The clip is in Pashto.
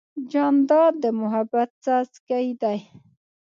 جانداد د محبت څاڅکی دی.